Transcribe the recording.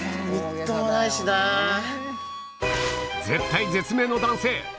絶体絶命の男性